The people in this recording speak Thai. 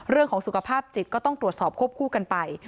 เรื่องของสุขภาพจิตก็ต้องตรวจสอบควบคู่กันไป